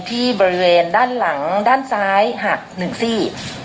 ที่บริเวณด้านหลังด้านซ้ายหักหนึ่งซี่